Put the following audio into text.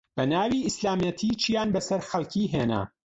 بەناوی ئیسلامەتی چیان بەسەر خەڵکی هێنا